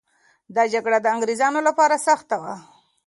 دا جګړه د انګریزانو لپاره سخته وه.